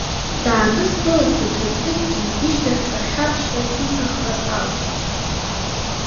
Даанызкылаз даҽазныкгьы ишьҭахьҟа ахьаԥшра ахьиҭаххаз ауп.